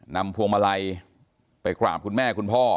นำพวงมาลัยไปขวามคุณแม่คุณพ่อ